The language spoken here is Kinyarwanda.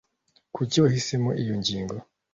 Kuki wahisemo iyo ngingo?